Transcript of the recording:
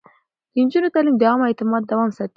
د نجونو تعليم د عامه اعتماد دوام ساتي.